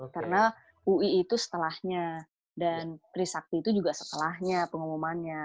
karena ui itu setelahnya dan trisakti itu juga setelahnya pengumumannya